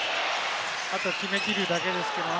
あとは決め切るだけですから。